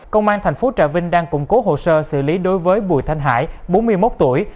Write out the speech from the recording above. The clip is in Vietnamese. công an tp trà vinh đang củng cố hồ sơ xử lý đối với bùi thanh hải bốn mươi một tuổi